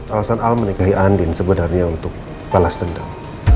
alasan al menikahi andin sebenarnya untuk balas dendam